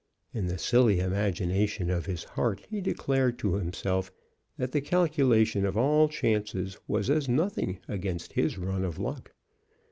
In the silly imagination of his heart he declared to himself that the calculation of all chances was as nothing against his run of luck.